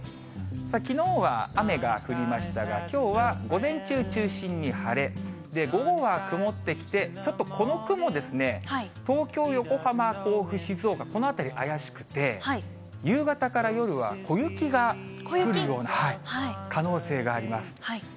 きのうは雨が降りましたが、きょうは午前中中心に晴れ、午後は曇ってきて、ちょっと、この雲、東京、横浜、甲府、静岡、この辺り怪しくて、夕方から夜は、小雪が降るような可能性があります。